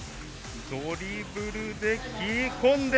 ドリブルで切り込んで。